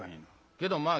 けどまあ